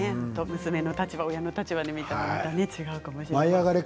娘の立場、親の立場で見たら違うかもしれないですね。